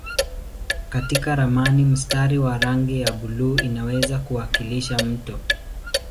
Katika ramani mstari wa rangi ya buluu unaweza kuwakilisha mto.